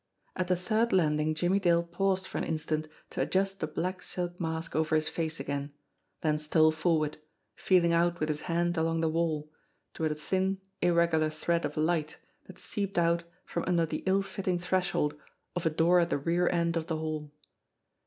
At the third landing Jimmie Dale paused for an instant to adjust the black silk mask over his face again, then stole forward, feeling out with his hand along the wall, toward a thin, irregular thread of light that seeped out from under the ill fitting threshold of a door at the rear end of the hall.